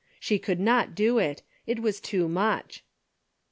She could not do it. It was too much.